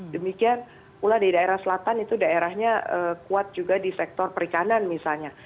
demikian pula di daerah selatan itu daerahnya kuat juga di sektor perikanan misalnya